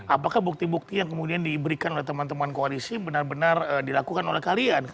apakah bukti bukti yang kemudian diberikan oleh teman teman koalisi benar benar dilakukan oleh kalian